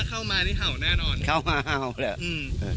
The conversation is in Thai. เข้ามานี่เห่าแน่นอนเข้ามาเห่าแหละอืม